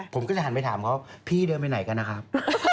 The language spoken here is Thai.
ผมก็เลยหันไปถามเขาพี่เดินไปไหนกันนะครับ